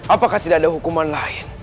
apakah tidak ada hukuman lain